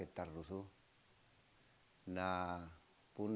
itu dianggap sebagai basing